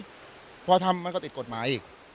เพราะทำมันก็ติดกฎหมายอีก